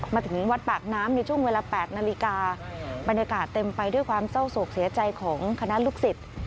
มาถึงวัดปากน้ำในช่วงเวลา๘นาฬิกาบรรยากาศเต็มไปด้วยความเศร้าโศกเสียใจของคณะลูกศิษย์